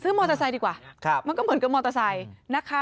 มอเตอร์ไซค์ดีกว่ามันก็เหมือนกับมอเตอร์ไซค์นะคะ